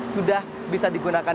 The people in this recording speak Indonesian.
sudah bisa digunakan